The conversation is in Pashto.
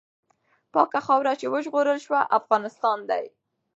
پاکه خاوره چې وژغورل سوه، افغانستان دی.